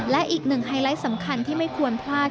และอีกหนึ่งไฮไลท์สำคัญที่ไม่ควรพลาด